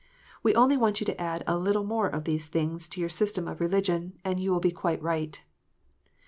We only want you to add a little more of these things to your system of religion, and you will be quite right."